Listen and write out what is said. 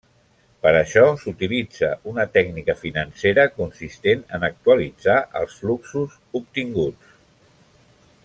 Per això s'utilitza una tècnica financera consistent en actualitzar els fluxos obtinguts.